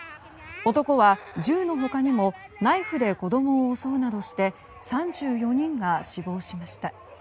男は、銃の他にもナイフで子供を襲うなどして３４人が死亡しました。